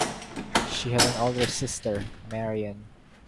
She had an older sister, Marian.